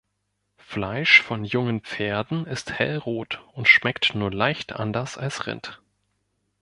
Fleisch von jungen Pferden ist hellrot und schmeckt nur leicht anders als Rind.